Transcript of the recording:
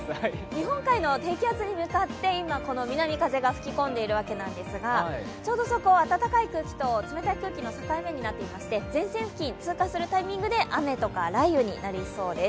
日本海の低気圧に向かって南風が吹き込んでいるわけなんですが、ちょうどそこ暖かい空気と冷たい空気の境目になっていまして前線付近、通過するタイミングで雨や雷雨になりそうです。